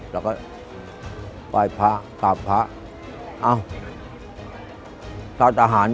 แล้วก็ป้ายพระกลับพระเอ้า